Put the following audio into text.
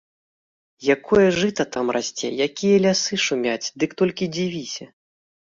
Якое жыта там расце, якія лясы шумяць, дык толькі дзівіся!